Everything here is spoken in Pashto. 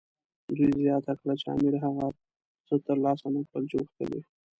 دوی زیاته کړه چې امیر هغه څه ترلاسه نه کړل چې غوښتل یې.